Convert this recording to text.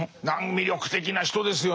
魅力的な人ですよね。